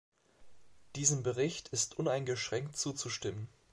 Diesem Bericht ist uneingeschränkt zuzustimmen.